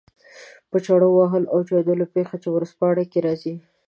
د چړو وهلو او چاودنو پېښې چې ورځپاڼو کې راځي.